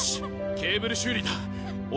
ケーブル修理だ俺に。